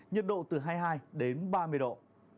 nhiệt độ từ hai mươi hai đến ba mươi độ